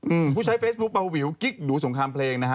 อืมผู้ใช้เฟซบุ๊คเบาวิวกิ๊กดูสงครามเพลงนะฮะ